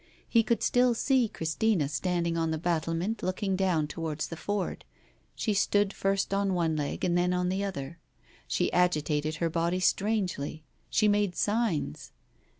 He could still see Christina standing on the battlement look ing down towards the ford. She stood first on one leg and then on the other ; she agitated her body strangely, she made signs.